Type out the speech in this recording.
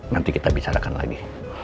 nanti kita bicarakan lagi